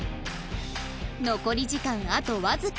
残り時間あとわずか